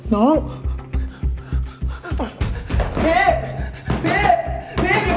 เฮ้ไอ้เลว